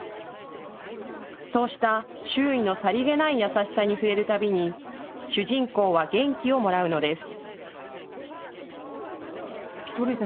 そうした周囲のさりげない優しさに触れるたびに、主人公は元気をもらうのです。